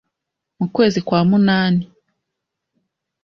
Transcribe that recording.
Mu kwezi kwa munani